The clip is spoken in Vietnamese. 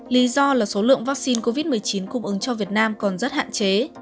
lý do là số lượng vaccine covid một mươi chín cung ứng cho việt nam còn rất hạn chế